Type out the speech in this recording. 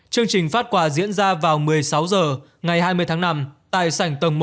chương trình phát quà diễn ra vào một mươi sáu h ngày hai mươi tháng năm tại sảnh tầng một